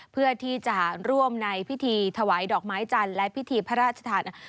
เพื่อที่จะร่วมในพิธีถวายดอกไม้จันทร์และพิธีพระราชทาน